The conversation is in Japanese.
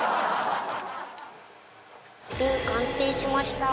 ルウ完成しました！